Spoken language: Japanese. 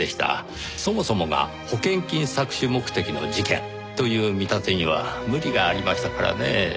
そもそもが保険金搾取目的の事件という見立てには無理がありましたからねぇ。